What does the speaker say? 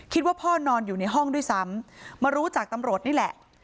คิดว่าพ่อนอนอยู่ในห้องด้วยซ้ำมารู้จากตำรวจนี่แหละ